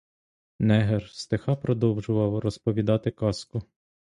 Негр стиха продовжував розповідати казку.